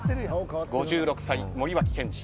５６歳、森脇健児。